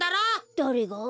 だれが？